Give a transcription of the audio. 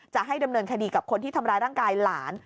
จะให้ดำเนินคดีกับคนที่ทำร้ายร่างกายหลาน